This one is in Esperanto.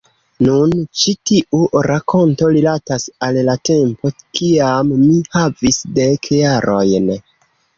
Nun, ĉi tiu rakonto rilatas al la tempo kiam mi havis dek jarojn.